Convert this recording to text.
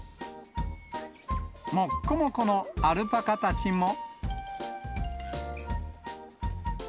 もっこもこのアルパカたちも。